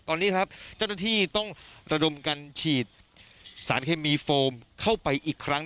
ตอนนี้ครับเจ้าหน้าที่ต้องระดมกันฉีดสารเคมีโฟมเข้าไปอีกครั้ง